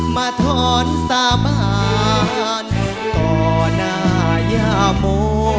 มาถอนสาบานต่อหน้ายาโม